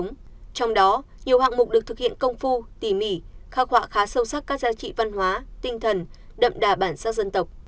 trong đó nhiều hạng mục được thực hiện công phu tỉ mỉ khắc họa khá sâu sắc các giá trị văn hóa tinh thần đậm đà bản sắc dân tộc